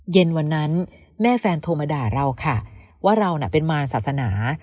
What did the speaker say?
เย็นวันนั้นแม่แฟนโทรมาด่าเราค่ะว่าเราน่ะเป็นมารศาสนา